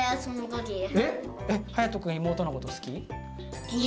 はやとくん妹のこと好き？